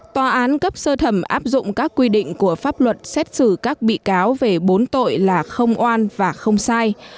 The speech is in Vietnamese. tòa án cấp sơ thẩm áp dụng các quy định của pháp luật xét xử các bị cáo về bốn tội là không oan và không sai